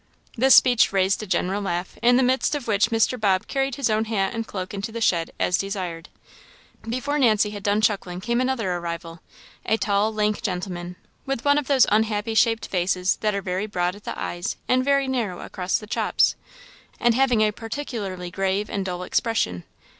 This speech raised a general laugh, in the midst of which Mr. Bob carried his own hat and cloak into the shed, as desired. Before Nancy had done chuckling came another arrival a tall, lank gentleman, with one of those unhappy shaped faces that are very broad at the eyes and very narrow across the chops, and having a particularly grave and dull expression.